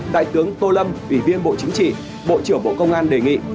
đại tướng tô lâm ủy viên bộ chính trị bộ trưởng bộ công an đề nghị